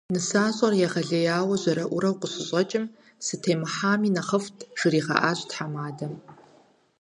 Нысащӏэр егъэлеяуэ жьэрэӏурэу къыщыщӏэкӏым, «сытемыхьами нэхъыфӏт» жригъэӏащ тхьэмадэм.